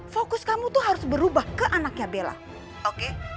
fokus kamu tuh harus berubah ke anaknya bella oke